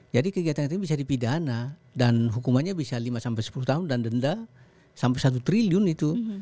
jadi kegiatan ini bisa dipidana dan hukumannya bisa lima sampai sepuluh tahun dan denda sampai satu triliun itu